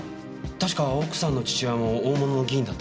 確か奥さんの父親も大物の議員だったはず。